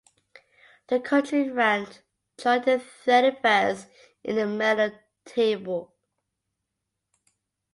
The country ranked joint thirty first in the medal table.